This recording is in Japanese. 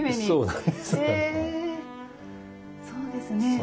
そうなんですね。